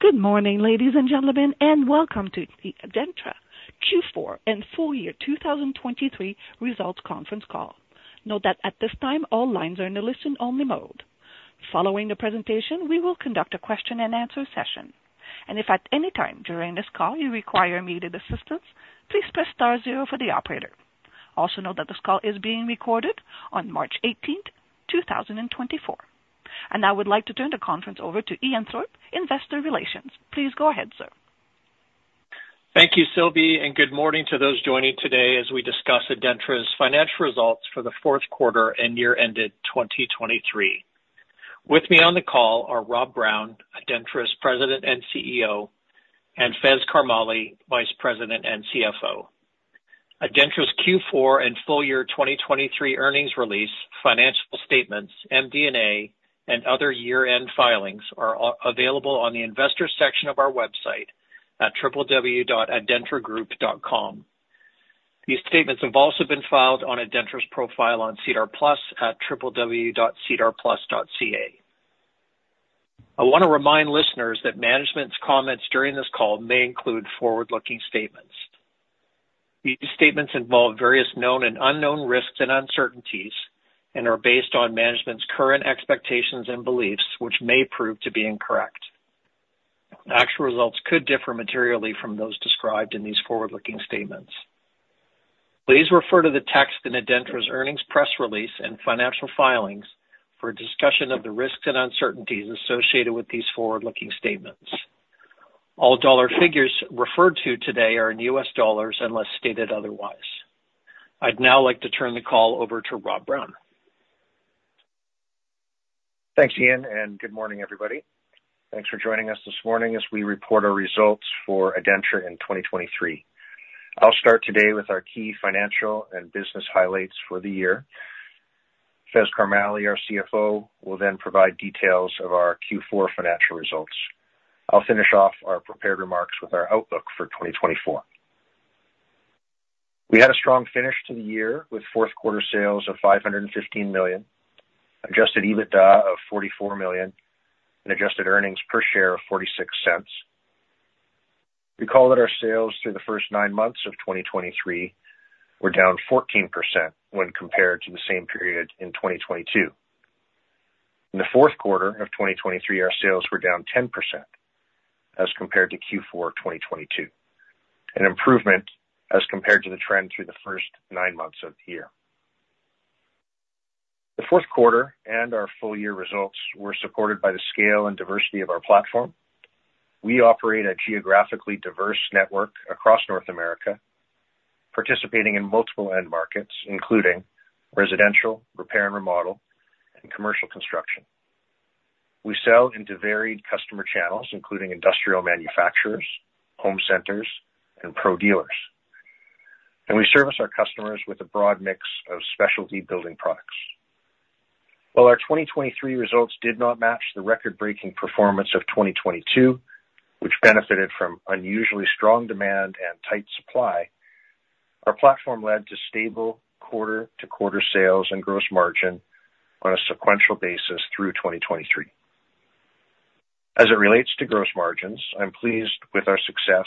Good morning, ladies and gentlemen, and welcome to the ADENTRA Q4 and full year 2023 results conference call. Note that at this time, all lines are in a listen-only mode. Following the presentation, we will conduct a question and answer session, and if at any time during this call you require immediate assistance, please press star zero for the operator. Also, note that this call is being recorded on March eighteenth, 2024. Now I would like to turn the conference over to Ian Tharp, Investor Relations. Please go ahead, sir. Thank you, Sylvie, and good morning to those joining today as we discuss ADENTRA's financial results for the fourth quarter and year ended 2023. With me on the call are Rob Brown, ADENTRA's President and CEO, and Faiz Karmali, Vice President and CFO. ADENTRA's Q4 and full year 2023 earnings release, financial statements, MD&A, and other year-end filings are available on the investors section of our website at www.adentragroup.com. These statements have also been filed on ADENTRA's profile on SEDAR+ at www.sedarplus.ca. I wanna remind listeners that management's comments during this call may include forward-looking statements. These statements involve various known and unknown risks and uncertainties and are based on management's current expectations and beliefs, which may prove to be incorrect. Actual results could differ materially from those described in these forward-looking statements. Please refer to the text in ADENTRA's earnings press release and financial filings for a discussion of the risks and uncertainties associated with these forward-looking statements. All dollar figures referred to today are in US dollars, unless stated otherwise. I'd now like to turn the call over to Rob Brown. Thanks, Ian, and good morning, everybody. Thanks for joining us this morning as we report our results for ADENTRA in 2023. I'll start today with our key financial and business highlights for the year. Faiz Karmali, our CFO, will then provide details of our Q4 financial results. I'll finish off our prepared remarks with our outlook for 2024. We had a strong finish to the year with fourth quarter sales of $515 million, adjusted EBITDA of $44 million, and adjusted earnings per share of $0.46. Recall that our sales through the first nine months of 2023 were down 14% when compared to the same period in 2022. In the fourth quarter of 2023, our sales were down 10% as compared to Q4 of 2022, an improvement as compared to the trend through the first nine months of the year. The fourth quarter and our full year results were supported by the scale and diversity of our platform. We operate a geographically diverse network across North America, participating in multiple end markets, including residential, repair and remodel, and commercial construction. We sell into varied customer channels, including industrial manufacturers, home centers, and pro dealers. We service our customers with a broad mix of specialty building products. While our 2023 results did not match the record-breaking performance of 2022, which benefited from unusually strong demand and tight supply, our platform led to stable quarter-to-quarter sales and gross margin on a sequential basis through 2023. As it relates to gross margins, I'm pleased with our success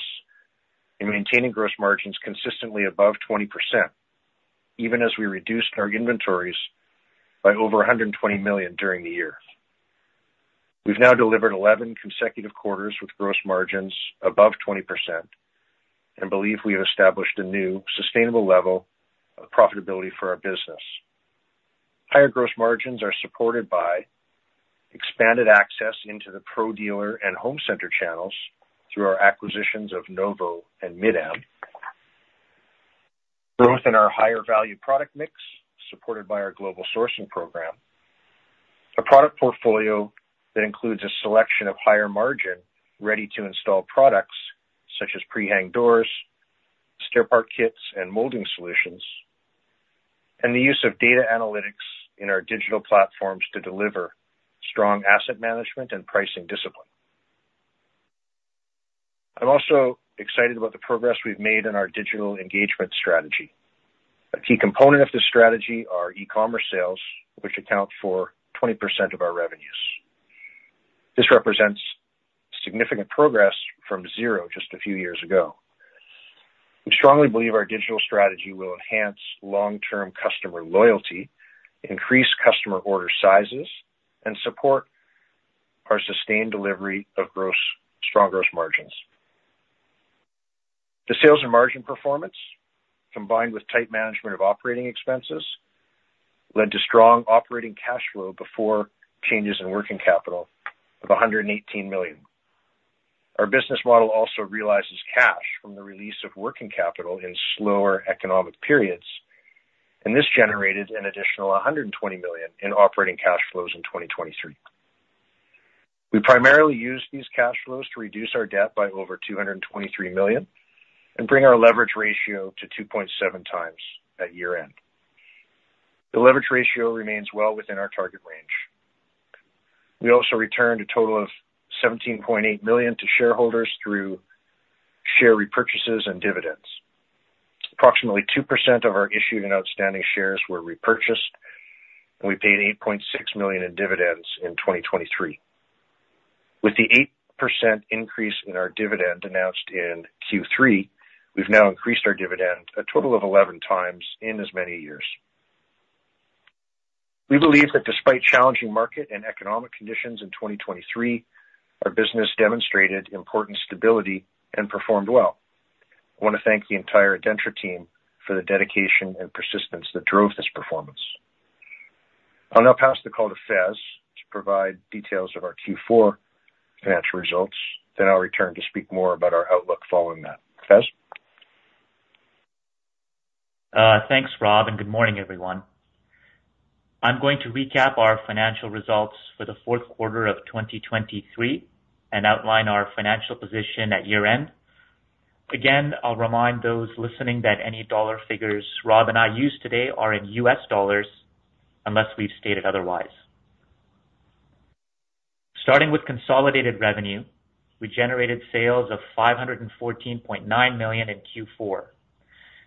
in maintaining gross margins consistently above 20%, even as we reduced our inventories by over 120 million during the year. We've now delivered 11 consecutive quarters with gross margins above 20% and believe we have established a new sustainable level of profitability for our business. Higher gross margins are supported by expanded access into the pro dealer and home center channels through our acquisitions of Novo and Mid-Am. Growth in our higher value product mix, supported by our global sourcing program. A product portfolio that includes a selection of higher margin, ready-to-install products, such as pre-hung doors, stair part kits, and molding solutions, and the use of data analytics in our digital platforms to deliver strong asset management and pricing discipline. I'm also excited about the progress we've made in our digital engagement strategy. A key component of this strategy are e-commerce sales, which account for 20% of our revenues. This represents significant progress from zero just a few years ago. We strongly believe our digital strategy will enhance long-term customer loyalty, increase customer order sizes, and support our sustained delivery of strong gross margins. The sales and margin performance, combined with tight management of operating expenses, led to strong operating cash flow before changes in working capital of $118 million. Our business model also realizes cash from the release of working capital in slower economic periods, and this generated an additional a $120 million in operating cash flows in 2023. We primarily used these cash flows to reduce our debt by over $223 million and bring our leverage ratio to 2.7 times at year-end. The leverage ratio remains well within our target range. We also returned a total of $17.8 million to shareholders through share repurchases and dividends. Approximately 2% of our issued and outstanding shares were repurchased, and we paid $8.6 million in dividends in 2023. With the 8% increase in our dividend announced in Q3, we've now increased our dividend a total of 11 times in as many years. We believe that despite challenging market and economic conditions in 2023, our business demonstrated important stability and performed well. I wanna thank the entire ADENTRA team for the dedication and persistence that drove this performance. I'll now pass the call to Faiz to provide details of our Q4 financial results. Then I'll return to speak more about our outlook following that. Faiz? Thanks, Rob, and good morning, everyone. I'm going to recap our financial results for the fourth quarter of 2023 and outline our financial position at year-end. Again, I'll remind those listening that any dollar figures Rob and I use today are in US dollars, unless we've stated otherwise. Starting with consolidated revenue, we generated sales of $514.9 million in Q4,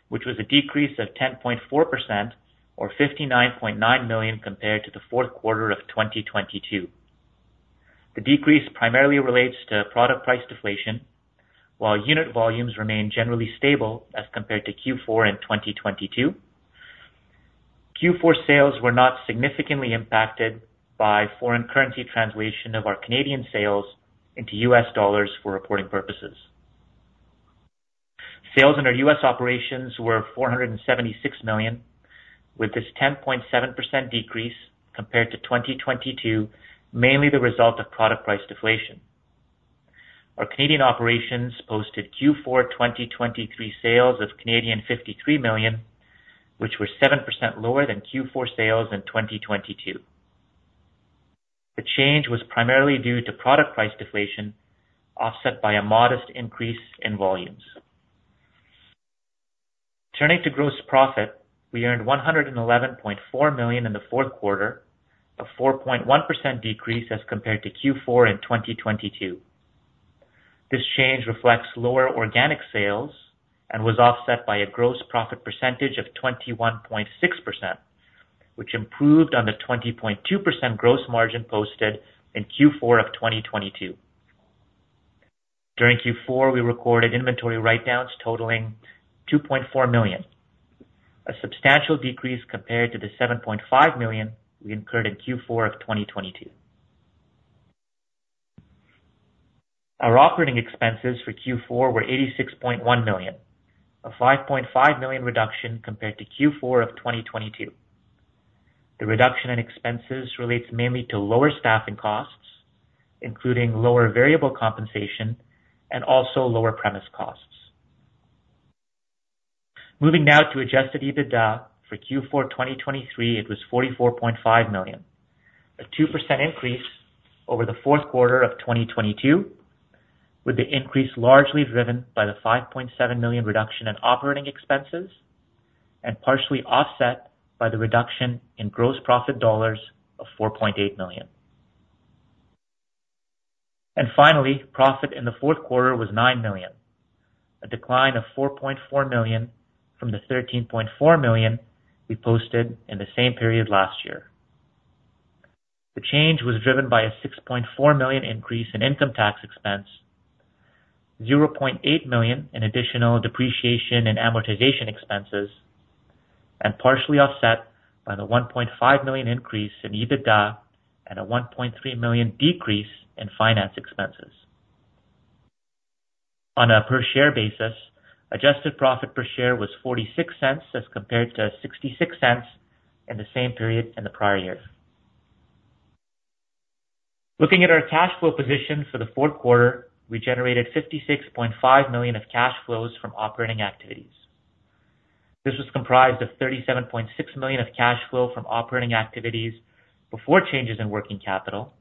which was a decrease of 10.4% or $59.9 million compared to the fourth quarter of 2022. The decrease primarily relates to product price deflation, while unit volumes remain generally stable as compared to Q4 in 2022. Q4 sales were not significantly impacted by foreign currency translation of our Canadian sales into US dollars for reporting purposes. Sales in our US operations were $476 million, with this 10.7% decrease compared to 2022, mainly the result of product price deflation. Our Canadian operations posted Q4 2023 sales of 53 million, which were 7% lower than Q4 sales in 2022. The change was primarily due to product price deflation, offset by a modest increase in volumes. Turning to gross profit, we earned $111.4 million in the fourth quarter, a 4.1% decrease as compared to Q4 in 2022. This change reflects lower organic sales and was offset by a gross profit percentage of 21.6%, which improved on the 20.2% gross margin posted in Q4 of 2022. During Q4, we recorded inventory write-downs totaling 2.4 million, a substantial decrease compared to the 7.5 million we incurred in Q4 of 2022. Our operating expenses for Q4 were 86.1 million, a 5.5 million reduction compared to Q4 of 2022. The reduction in expenses relates mainly to lower staffing costs, including lower variable compensation and also lower premises costs. Moving now to Adjusted EBITDA for Q4 2023, it was 44.5 million, a 2% increase over the fourth quarter of 2022, with the increase largely driven by the 5.7 million reduction in operating expenses and partially offset by the reduction in gross profit dollars of 4.8 million. Finally, profit in the fourth quarter was $9 million, a decline of $4.4 million from the $13.4 million we posted in the same period last year. The change was driven by a $6.4 million increase in income tax expense, $0.8 million in additional depreciation and amortization expenses, and partially offset by the $1.5 million increase in EBITDA and a $1.3 million decrease in finance expenses. On a per share basis, adjusted profit per share was $0.46, as compared to $0.66 in the same period in the prior year. Looking at our cash flow position for the fourth quarter, we generated $56.5 million of cash flows from operating activities. This was comprised of $37.6 million of cash flow from operating activities before changes in working capital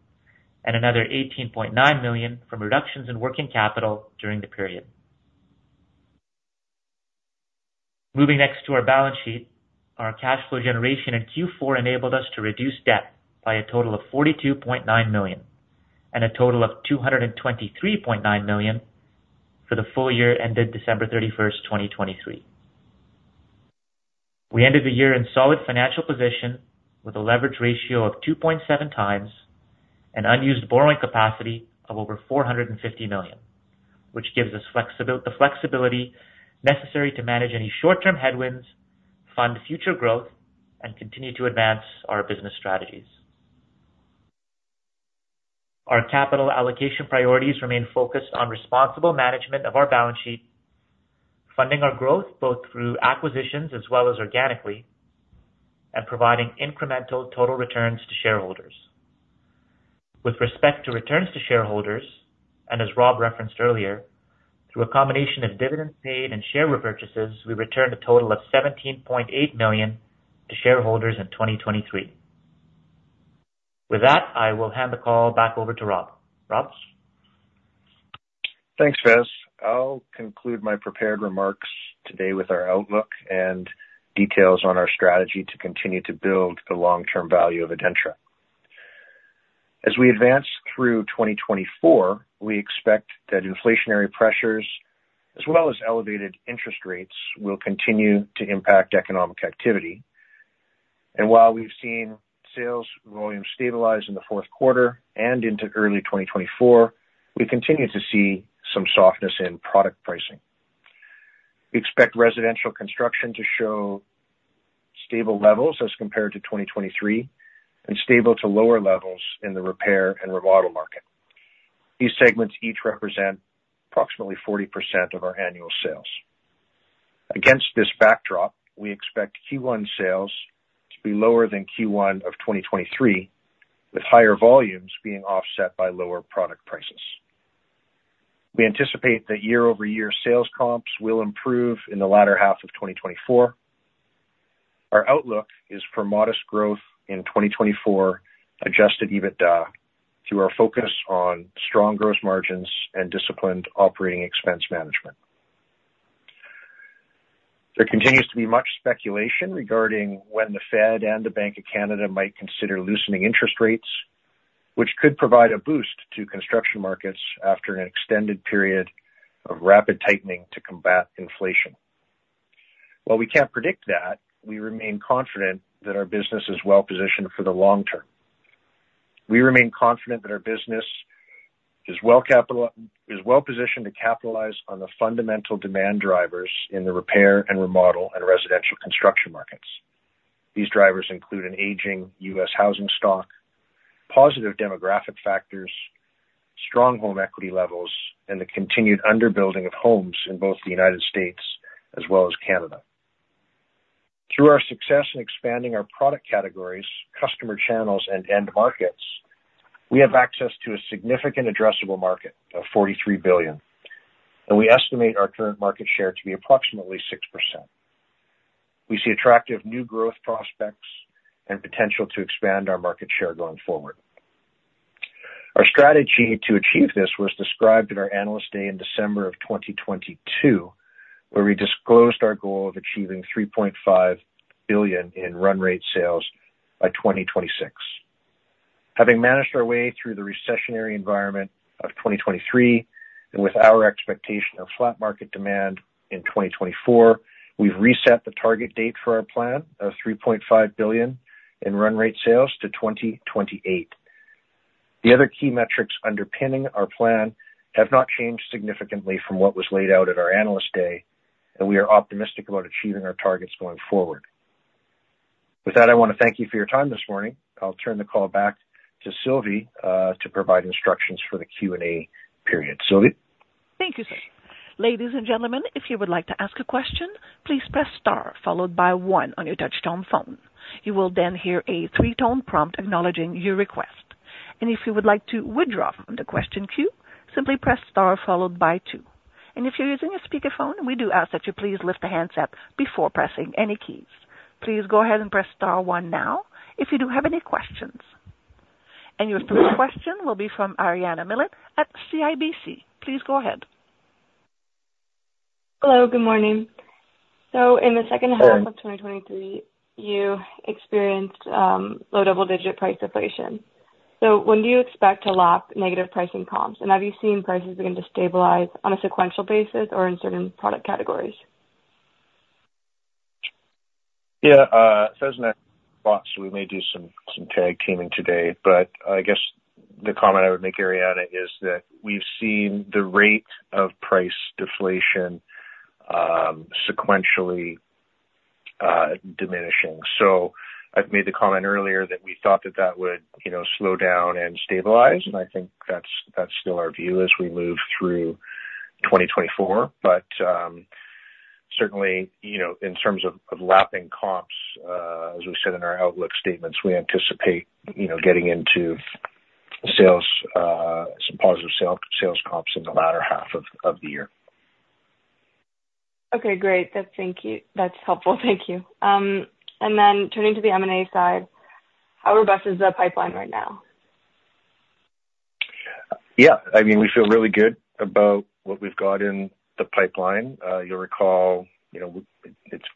and another $18.9 million from reductions in working capital during the period. Moving next to our balance sheet. Our cash flow generation in Q4 enabled us to reduce debt by a total of $42.9 million and a total of $223.9 million for the full year ended December 31, 2023. We ended the year in solid financial position with a leverage ratio of 2.7 times and unused borrowing capacity of over $450 million, which gives us the flexibility necessary to manage any short-term headwinds, fund future growth, and continue to advance our business strategies. Our capital allocation priorities remain focused on responsible management of our balance sheet, funding our growth both through acquisitions as well as organically, and providing incremental total returns to shareholders. With respect to returns to shareholders, and as Rob referenced earlier, through a combination of dividends paid and share repurchases, we returned a total of $17.8 million to shareholders in 2023. With that, I will hand the call back over to Rob. Rob? Thanks, Faiz. I'll conclude my prepared remarks today with our outlook and details on our strategy to continue to build the long-term value of ADENTRA. As we advance through 2024, we expect that inflationary pressures, as well as elevated interest rates, will continue to impact economic activity. And while we've seen sales volume stabilize in the fourth quarter and into early 2024, we continue to see some softness in product pricing. We expect residential construction to show stable levels as compared to 2023, and stable to lower levels in the repair and remodel market. These segments each represent approximately 40% of our annual sales. Against this backdrop, we expect Q1 sales to be lower than Q1 of 2023, with higher volumes being offset by lower product prices. We anticipate that year-over-year sales comps will improve in the latter half of 2024. Our outlook is for modest growth in 2024, Adjusted EBITDA, through our focus on strong gross margins and disciplined operating expense management. There continues to be much speculation regarding when the Fed and the Bank of Canada might consider loosening interest rates, which could provide a boost to construction markets after an extended period of rapid tightening to combat inflation. While we can't predict that, we remain confident that our business is well positioned for the long term. We remain confident that our business is well positioned to capitalize on the fundamental demand drivers in the repair and remodel and residential construction markets. These drivers include an aging U.S. housing stock, positive demographic factors, strong home equity levels, and the continued under-building of homes in both the United States as well as Canada. Through our success in expanding our product categories, customer channels, and end markets, we have access to a significant addressable market of $43 billion, and we estimate our current market share to be approximately 6%. We see attractive new growth prospects and potential to expand our market share going forward. Our strategy to achieve this was described at our Analyst Day in December of 2022, where we disclosed our goal of achieving $3.5 billion in run rate sales by 2026. Having managed our way through the recessionary environment of 2023, and with our expectation of flat market demand in 2024, we've reset the target date for our plan of $3.5 billion in run rate sales to 2028. The other key metrics underpinning our plan have not changed significantly from what was laid out at our Analyst Day, and we are optimistic about achieving our targets going forward. With that, I want to thank you for your time this morning. I'll turn the call back to Sylvie, to provide instructions for the Q&A period. Sylvie? Thank you, sir. Ladies and gentlemen, if you would like to ask a question, please press star followed by one on your touchtone phone. You will then hear a three-tone prompt acknowledging your request, and if you would like to withdraw from the question queue, simply press star followed by two. And if you're using a speakerphone, we do ask that you please lift the handset before pressing any keys. Please go ahead and press star one now if you do have any questions. And your first question will be from Ariana Milot at CIBC. Please go ahead. Hello, good morning. In the second half of 2023, you experienced low double-digit price deflation. So when do you expect to lap negative pricing comps? And have you seen prices begin to stabilize on a sequential basis or in certain product categories? Yeah, So, yes, and Faiz we may do some tag teaming today, but I guess the comment I would make, Ariana, is that we've seen the rate of price deflation, sequentially, diminishing. So I've made the comment earlier that we thought that that would, you know, slow down and stabilize, and I think that's, that's still our view as we move through 2024. But, certainly, you know, in terms of, of lapping comps, as we said in our outlook statements, we anticipate, you know, getting into sales, some positive sales comps in the latter half of, of the year. Okay, great. That's thank you. That's helpful. Thank you. And then turning to the M&A side, how robust is the pipeline right now? Yeah, I mean, we feel really good about what we've got in the pipeline. You'll recall, you know,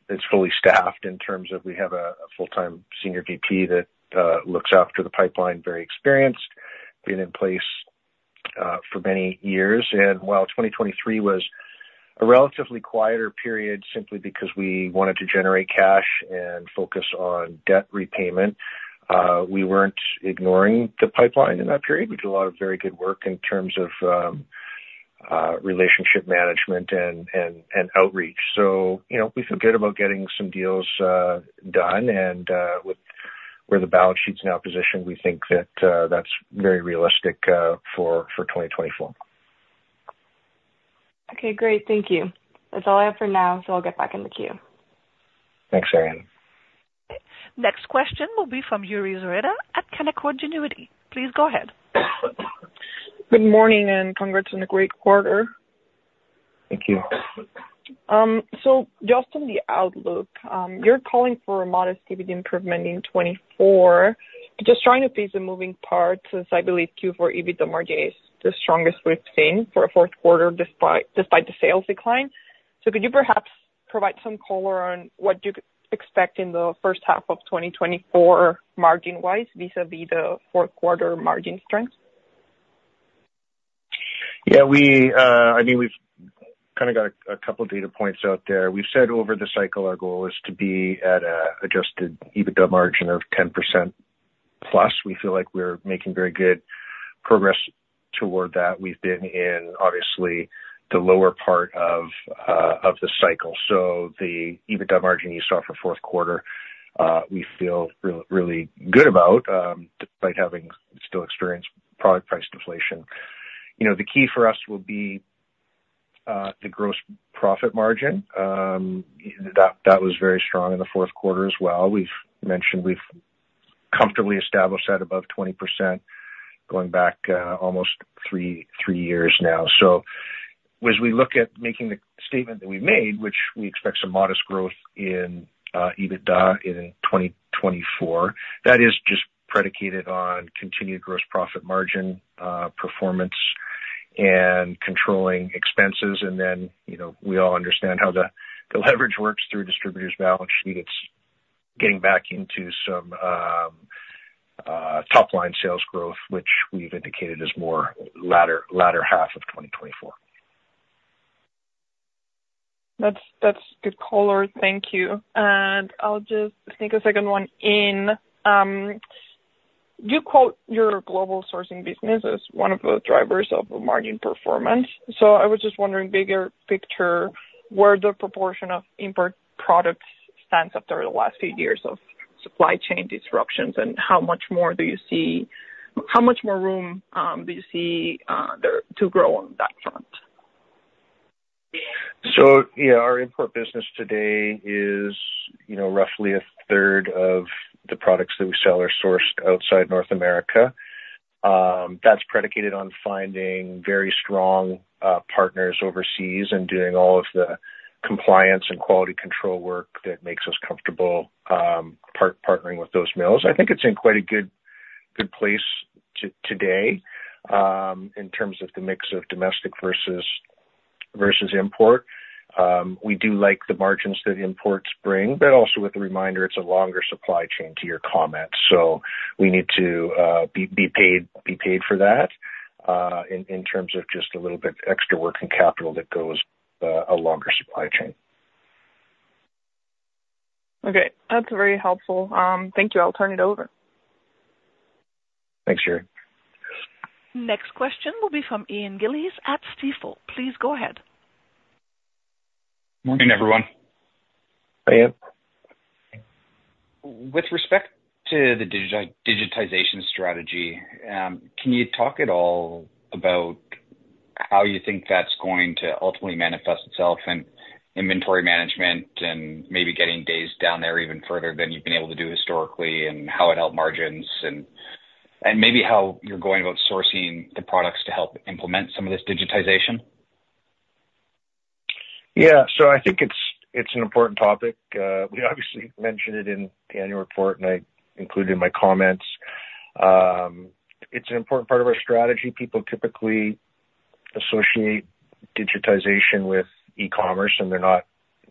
it's fully staffed in terms of we have a full-time Senior VP that looks after the pipeline, very experienced, been in place for many years. And while 2023 was a relatively quieter period, simply because we wanted to generate cash and focus on debt repayment, we weren't ignoring the pipeline in that period. We did a lot of very good work in terms of relationship management and outreach. So, you know, we feel good about getting some deals done, and with where the balance sheet's now positioned, we think that that's very realistic for 2024. Okay, great. Thank you. That's all I have for now, so I'll get back in the queue. Thanks, Ariana. Next question will be from Yuri Lynk at Canaccord Genuity. Please go ahead. Good morning, and congrats on a great quarter. Thank you. So just on the outlook, you're calling for a modest EBITDA improvement in 2024. Just trying to piece the moving parts, as I believe Q4 EBITDA is the strongest we've seen for a fourth quarter despite the sales decline. So could you perhaps provide some color on what you could expect in the first half of 2024 margin wise, vis-a-vis the fourth quarter margin strength? Yeah, we, I mean, we've kind of got a couple data points out there. We've said over the cycle, our goal is to be at a adjusted EBITDA margin of 10%+. We feel like we're making very good progress toward that. We've been in, obviously, the lower part of the cycle. So the EBITDA margin you saw for fourth quarter, we feel really good about, despite having still experienced product price deflation. You know, the key for us will be the gross profit margin. That was very strong in the fourth quarter as well. We've mentioned we've comfortably established that above 20% going back almost 3 years now. As we look at making the statement that we made, which we expect some modest growth in EBITDA in 2024, that is just predicated on continued gross profit margin performance and controlling expenses. And then, you know, we all understand how the leverage works through distributors' balance sheet. It's getting back into some top line sales growth, which we've indicated is more latter half of 2024. That's, that's good color. Thank you. And I'll just take a second one in. You quote your global sourcing business as one of the drivers of the margin performance. So I was just wondering, bigger picture, where the proportion of import products stands after the last few years of supply chain disruptions, and how much more room do you see there to grow on that front? So, yeah, our import business today is, you know, roughly a third of the products that we sell are sourced outside North America. That's predicated on finding very strong partners overseas and doing all of the compliance and quality control work that makes us comfortable partnering with those mills. I think it's in quite a good place today in terms of the mix of domestic versus import. We do like the margins that imports bring, but also with the reminder, it's a longer supply chain to your comment, so we need to be paid for that in terms of just a little bit extra working capital that goes a longer supply chain. Okay. That's very helpful. Thank you. I'll turn it over. Thanks, Yuri. Next question will be from Ian Gillies at Stifel. Please go ahead. Morning, everyone. Hi, Ian. With respect to the digitization strategy, can you talk at all about how you think that's going to ultimately manifest itself in inventory management and maybe getting days down there even further than you've been able to do historically, and how it helped margins and, and maybe how you're going about sourcing the products to help implement some of this digitization? Yeah. So I think it's an important topic. We obviously mentioned it in the annual report, and I included in my comments. It's an important part of our strategy. People typically associate digitization with e-commerce, and they're not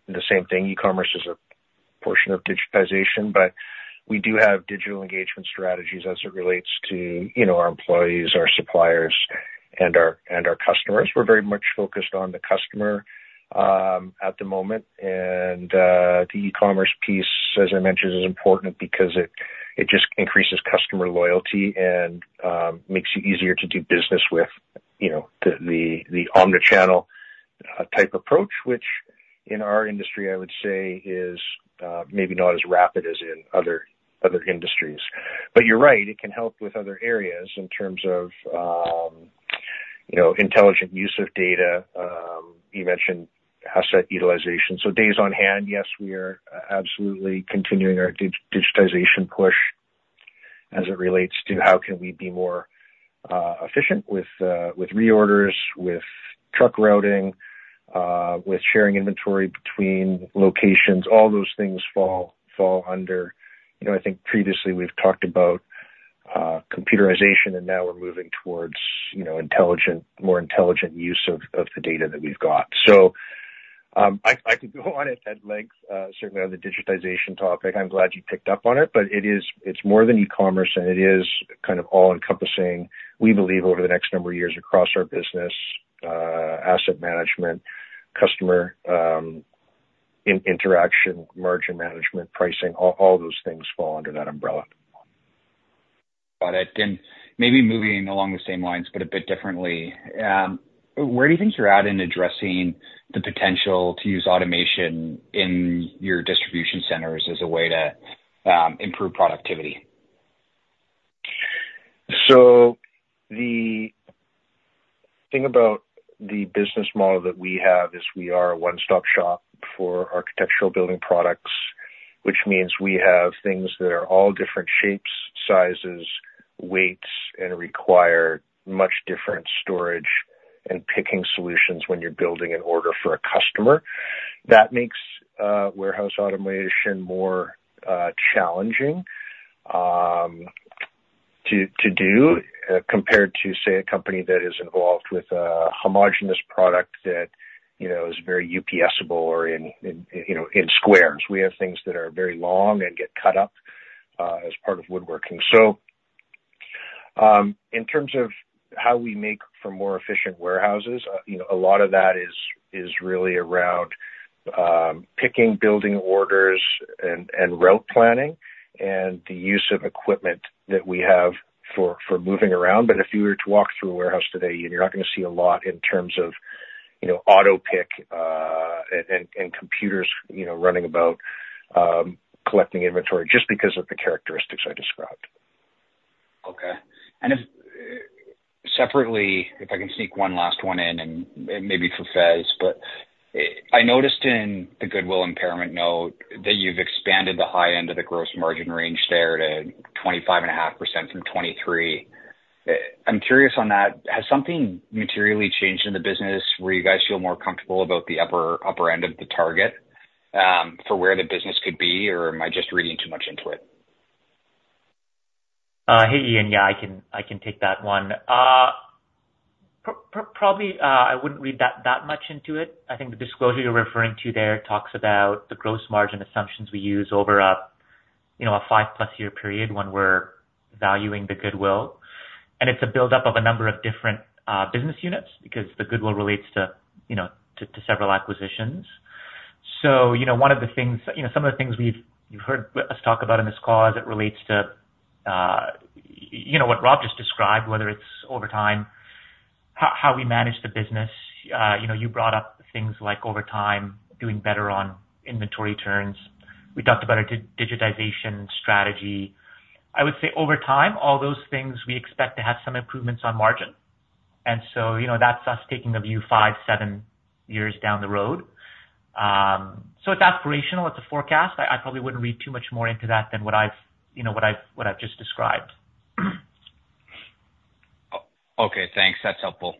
the same thing. E-commerce is a portion of digitization, but we do have digital engagement strategies as it relates to, you know, our employees, our suppliers, and our customers. We're very much focused on the customer at the moment. And, the e-commerce piece, as I mentioned, is important because it just increases customer loyalty and makes it easier to do business with, you know, the omni-channel type approach, which in our industry, I would say is maybe not as rapid as in other industries. But you're right, it can help with other areas in terms of, you know, intelligent use of data. You mentioned asset utilization, so days on hand, yes, we are absolutely continuing our digitization push as it relates to how can we be more efficient with reorders, with truck routing, with sharing inventory between locations. All those things fall under... You know, I think previously we've talked about computerization, and now we're moving towards, you know, more intelligent use of the data that we've got. So, I could go on at length, certainly on the digitization topic. I'm glad you picked up on it, but it is... It's more than e-commerce, and it is kind of all-encompassing. We believe over the next number of years across our business, asset management, customer, interaction, margin management, pricing, all, all those things fall under that umbrella. Got it. Maybe moving along the same lines, but a bit differently, where do you think you're at in addressing the potential to use automation in your distribution centers as a way to improve productivity? So the thing about the business model that we have is we are a one-stop shop for architectural building products, which means we have things that are all different shapes, sizes, weights, and require much different storage and picking solutions when you're building an order for a customer. That makes warehouse automation more challenging to do compared to, say, a company that is involved with a homogenous product that, you know, is very UPS-able or in, you know, in squares. We have things that are very long and get cut up as part of woodworking. So in terms of how we make for more efficient warehouses, you know, a lot of that is really around picking, building orders and route planning, and the use of equipment that we have for moving around. But if you were to walk through a warehouse today, you're not gonna see a lot in terms of, you know, auto pick and computers, you know, running about collecting inventory, just because of the characteristics I described. Okay. And if separately, if I can sneak one last one in, and maybe for Faiz, but I noticed in the goodwill impairment note that you've expanded the high end of the gross margin range there to 25.5% from 23%. I'm curious on that: has something materially changed in the business where you guys feel more comfortable about the upper, upper end of the target, for where the business could be, or am I just reading too much into it? Hey, Ian. Yeah, I can take that one. Probably, I wouldn't read that much into it. I think the disclosure you're referring to there talks about the gross margin assumptions we use over a 5+ year period when we're valuing the goodwill. And it's a build up of a number of different business units, because the goodwill relates to several acquisitions. So, you know, one of the things... You know, some of the things you've heard us talk about in this call as it relates to what Rob just described, whether it's over time, how we manage the business. You know, you brought up things like over time, doing better on inventory turns. We talked about our digitization strategy. I would say over time, all those things we expect to have some improvements on margin. And so, you know, that's us taking a view 5, 7 years down the road. So it's aspirational, it's a forecast. I probably wouldn't read too much more into that than what I've, you know, what I've just described. Okay, thanks. That's helpful.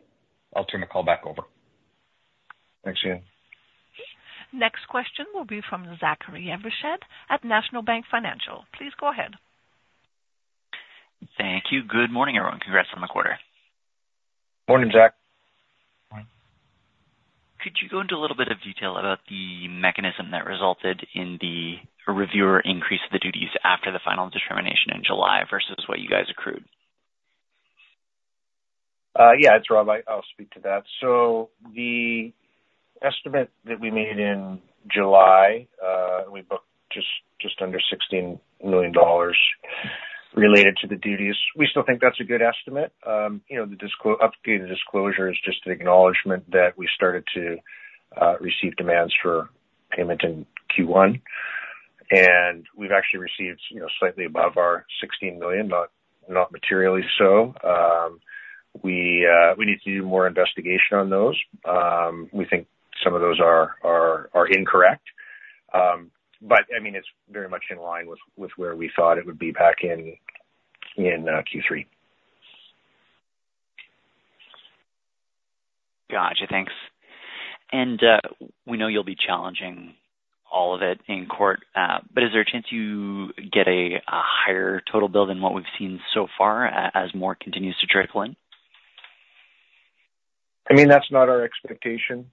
I'll turn the call back over. Thanks, Ian. Next question will be from Zachary Evershed at National Bank Financial. Please go ahead. Thank you. Good morning, everyone. Congrats on the quarter. Morning, Zach. Morning. Could you go into a little bit of detail about the mechanism that resulted in the revenue increase the duties after the final determination in July versus what you guys accrued? Yeah, it's Rob. I, I'll speak to that. So the estimate that we made in July, we booked just, just under $16 million related to the duties. We still think that's a good estimate. You know, the updated disclosure is just an acknowledgement that we started to receive demands for payment in Q1. And we've actually received, you know, slightly above our $16 million, not, not materially so. We need to do more investigation on those. We think some of those are incorrect. But I mean, it's very much in line with where we thought it would be back in Q3. Gotcha, thanks. And, we know you'll be challenging all of it in court, but is there a chance you get a higher total bill than what we've seen so far, as more continues to trickle in? I mean, that's not our expectation.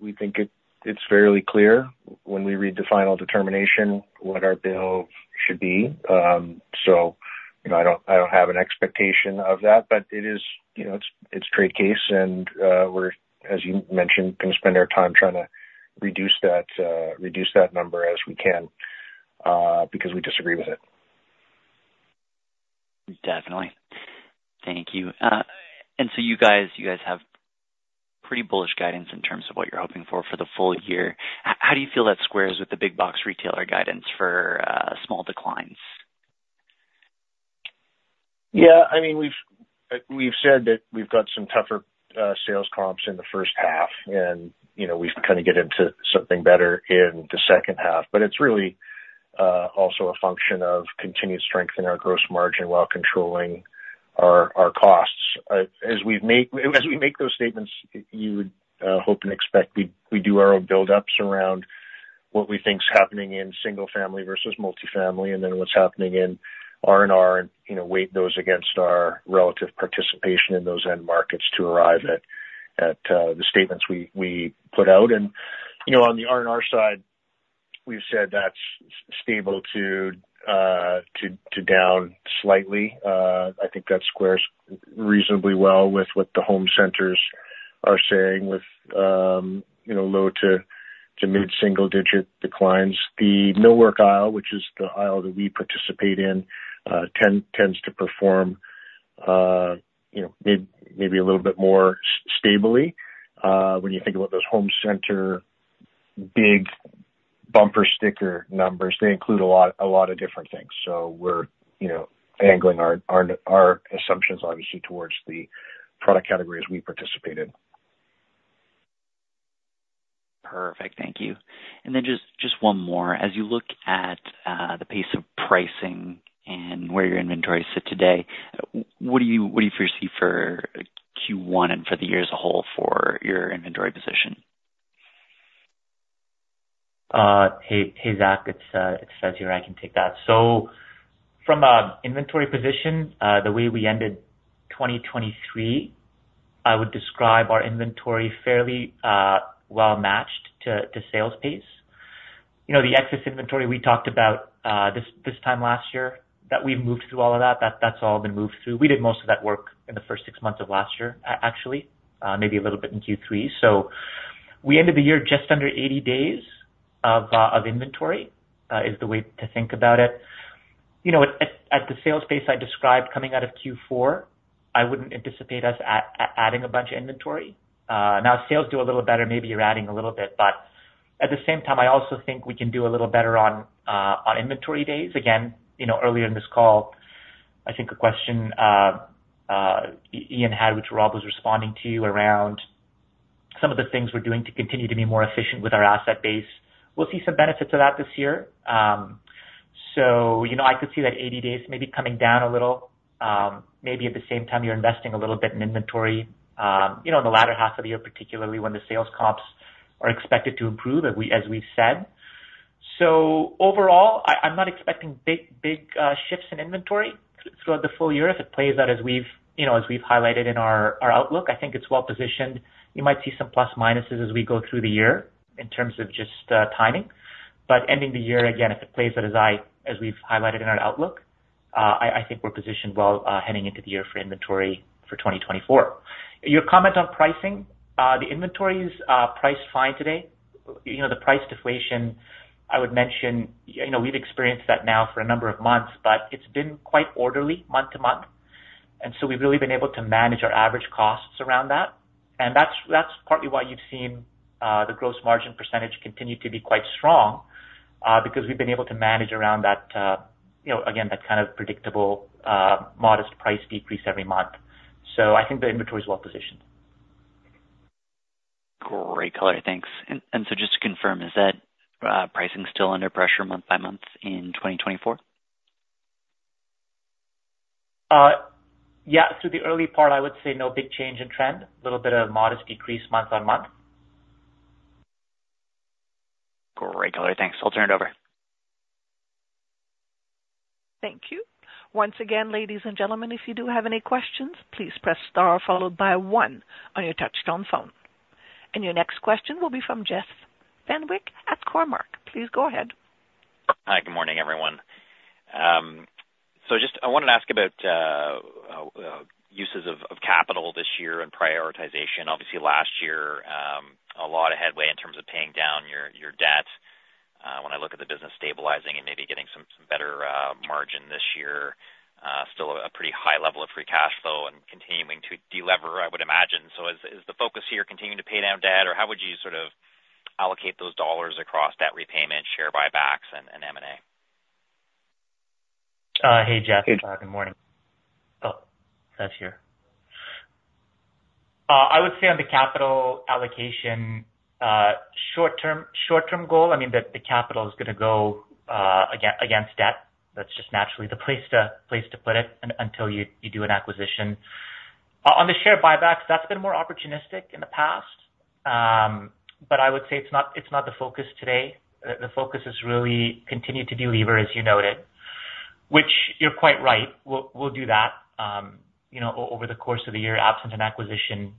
We think it's fairly clear when we read the final determination, what our bill should be. So, you know, I don't have an expectation of that, but it is, you know, it's trade case, and we're, as you mentioned, gonna spend our time trying to reduce that number as we can, because we disagree with it. Definitely. Thank you. And so you guys, you guys have pretty bullish guidance in terms of what you're hoping for for the full year. How do you feel that squares with the big box retailer guidance for small declines? Yeah, I mean, we've said that we've got some tougher sales comps in the first half, and, you know, we kind of get into something better in the second half. But it's really also a function of continued strength in our gross margin while controlling our costs. As we make those statements, you would hope and expect we do our own build ups around what we think is happening in single family versus multifamily, and then what's happening in R&R, and, you know, weigh those against our relative participation in those end markets to arrive at the statements we put out. And, you know, on the R&R side, we've said that's stable to down slightly. I think that squares reasonably well with what the home centers are saying with, you know, low to mid single digit declines. The millwork aisle, which is the aisle that we participate in, tends to perform, you know, maybe a little bit more stably. When you think about those home center, big bumper sticker numbers, they include a lot, a lot of different things. So we're, you know, angling our assumptions obviously towards the product categories we participate in. Perfect. Thank you. And then just, just one more. As you look at the pace of pricing and where your inventory sit today, what do you, what do you foresee for Q1 and for the year as a whole for your inventory position?... Hey, hey, Zach, it's Faiz here. I can take that. So from an inventory position, the way we ended 2023, I would describe our inventory fairly well matched to sales pace. You know, the excess inventory we talked about this time last year, that we've moved through all of that, that's all been moved through. We did most of that work in the first six months of last year, actually, maybe a little bit in Q3. So we ended the year just under 80 days of inventory is the way to think about it. You know, at the sales pace I described coming out of Q4, I wouldn't anticipate us adding a bunch of inventory. Now if sales do a little better, maybe you're adding a little bit, but at the same time, I also think we can do a little better on inventory days. Again, you know, earlier in this call, I think a question Ian had, which Rob was responding to you, around some of the things we're doing to continue to be more efficient with our asset base. We'll see some benefits of that this year. So, you know, I could see that 80 days maybe coming down a little. Maybe at the same time, you're investing a little bit in inventory, you know, in the latter half of the year, particularly when the sales comps are expected to improve, as we, as we've said. So overall, I, I'm not expecting big, big shifts in inventory throughout the full year. If it plays out as we've, you know, as we've highlighted in our, our outlook, I think it's well positioned. You might see some plus minuses as we go through the year in terms of just, timing. But ending the year, again, if it plays out as we've highlighted in our outlook, I think we're positioned well, heading into the year for inventory for 2024. Your comment on pricing, the inventories are priced fine today. You know, the price deflation, I would mention, you know, we've experienced that now for a number of months, but it's been quite orderly month to month, and so we've really been able to manage our average costs around that. That's partly why you've seen the gross margin percentage continue to be quite strong, because we've been able to manage around that, you know, again, that kind of predictable, modest price decrease every month. I think the inventory is well positioned. Great color, thanks. So just to confirm, is that pricing still under pressure month by month in 2024? Yeah, through the early part, I would say no big change in trend. A little bit of modest decrease month-on-month. Great color. Thanks. I'll turn it over. Thank you. Once again, ladies and gentlemen, if you do have any questions, please press star followed by one on your touchtone phone. And your next question will be from Jeff Fenwick at Cormark. Please go ahead. Hi, good morning, everyone. So just I wanted to ask about uses of capital this year and prioritization. Obviously last year, a lot of headway in terms of paying down your debt. When I look at the business stabilizing and maybe getting some better margin this year, still a pretty high level of free cash flow and continuing to delever, I would imagine. So is the focus here continuing to pay down debt, or how would you sort of allocate those dollars across debt repayment, share buybacks, and M&A? Hey, Jeff. Good morning. Oh, Faiz here. I would say on the capital allocation, short term, short term goal, I mean, the, the capital is gonna go against debt. That's just naturally the place to put it until you do an acquisition. On the share buybacks, that's been more opportunistic in the past, but I would say it's not the focus today. The focus is really continue to delever, as you noted, which you're quite right. We'll do that, you know, over the course of the year, absent an acquisition,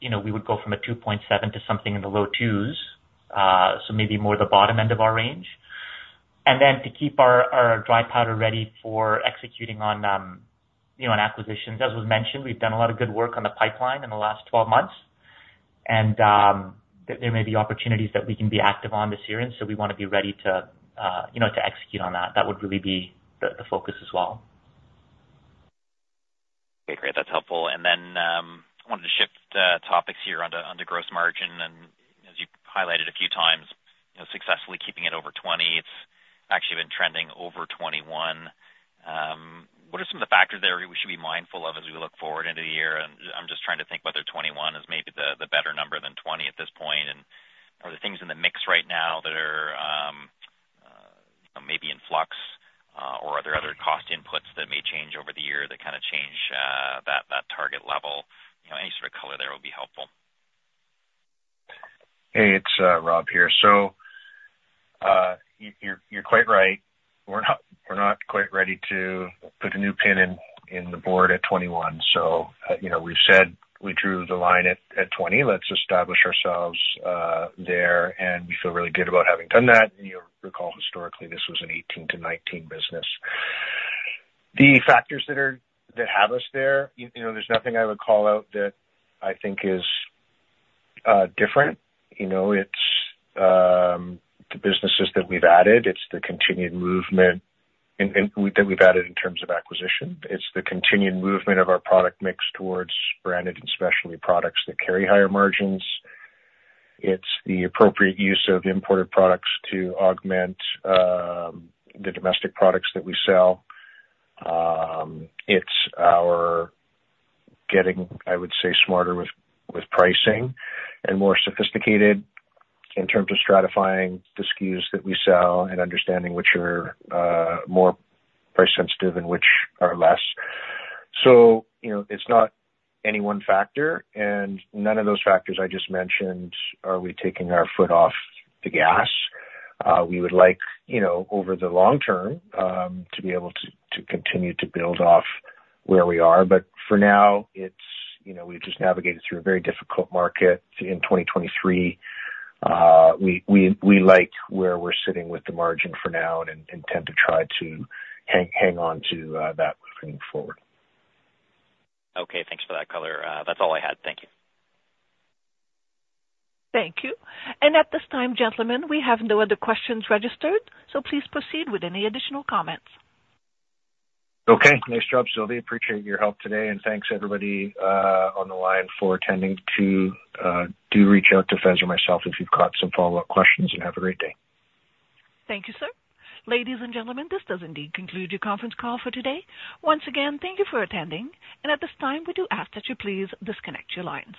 you know, we would go from a 2.7 to something in the low 2s, so maybe more the bottom end of our range. And then to keep our dry powder ready for executing on, you know, on acquisitions. As was mentioned, we've done a lot of good work on the pipeline in the last twelve months, and there may be opportunities that we can be active on this year, and so we wanna be ready to, you know, to execute on that. That would really be the focus as well. Okay, great. That's helpful. And then, I wanted to shift topics here onto gross margin, and as you've highlighted a few times, you know, successfully keeping it over 20, it's actually been trending over 21. What are some of the factors there we should be mindful of as we look forward into the year? And I'm just trying to think whether 21 is maybe the better number than 20 at this point, and are the things in the mix right now that are maybe in flux, or are there other cost inputs that may change over the year, that kind of change that target level? You know, any sort of color there will be helpful. Hey, it's Rob here. So, you're quite right. We're not quite ready to put a new pin in the board at 21. So, you know, we've said we drew the line at 20. Let's establish ourselves there, and we feel really good about having done that. You'll recall historically, this was an 18-19 business. The factors that have us there, you know, there's nothing I would call out that I think is different. You know, it's the businesses that we've added, it's the continued movement, and that we've added in terms of acquisition. It's the continued movement of our product mix towards branded and specialty products that carry higher margins. It's the appropriate use of imported products to augment the domestic products that we sell. It's we're getting, I would say, smarter with pricing and more sophisticated in terms of stratifying the SKUs that we sell and understanding which are more price sensitive and which are less. So, you know, it's not any one factor, and none of those factors I just mentioned are we taking our foot off the gas. We would like, you know, over the long term, to be able to continue to build off where we are, but for now, it's, you know, we've just navigated through a very difficult market in 2023. We like where we're sitting with the margin for now and intend to try to hang on to that moving forward. Okay, thanks for that color. That's all I had. Thank you. Thank you. At this time, gentlemen, we have no other questions registered, so please proceed with any additional comments. Okay. Nice job, Sylvie. Appreciate your help today, and thanks everybody, on the line for attending today. Do reach out to Faiz or myself if you've got some follow-up questions, and have a great day. Thank you, sir. Ladies and gentlemen, this does indeed conclude your conference call for today. Once again, thank you for attending, and at this time, we do ask that you please disconnect your lines.